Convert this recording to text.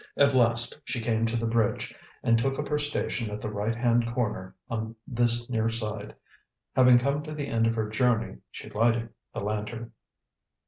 At last she came to the bridge and took up her station at the right hand corner on this near side. Having come to the end of her journey she lighted the lantern.